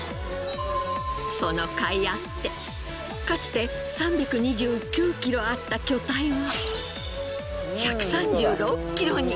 そのかいあってかつて３２９ｋｇあった巨体は１３６ｋｇに。